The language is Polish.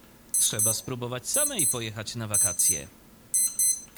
„Trzeba spróbować samej pojechać na wakacje.